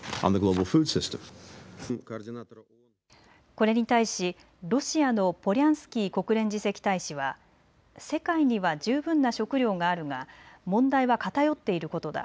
これに対しロシアのポリャンスキー国連次席大使は世界には十分な食料があるが問題は偏っていることだ。